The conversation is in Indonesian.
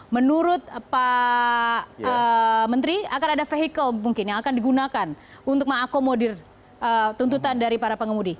menurut pak menteri akan ada vehicle mungkin yang akan digunakan untuk mengakomodir tuntutan dari para pengemudi